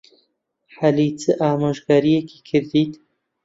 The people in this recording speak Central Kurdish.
عەلی چ ئامۆژگارییەکی کردیت؟